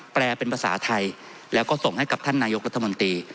แปลเป็นภาษาไทยแล้วก็ส่งให้กับท่านนายกรัฐมนตรี